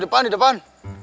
abah payun di depan